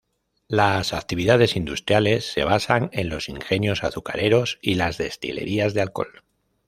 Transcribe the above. Las actividades industriales se basan en los ingenios azucareros y las destilerías de alcohol.